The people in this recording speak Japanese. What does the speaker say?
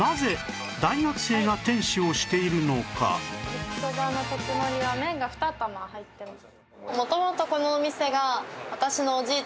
焼きそばの特盛は麺が２玉入ってます。